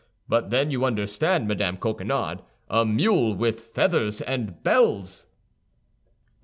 But then you understand, Madame Coquenard, a mule with feathers and bells."